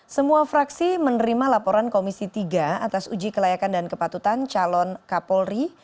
semua fraksi menerima laporan komisi tiga atas uji kelayakan dan kepatutan calon kapolri